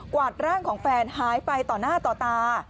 วาดร่างของแฟนหายไปต่อหน้าต่อตา